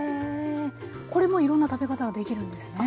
これもいろんな食べ方ができるんですね？